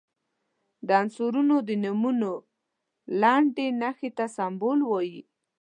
د عنصرونو د نومونو لنډي نښې ته سمبول وايي.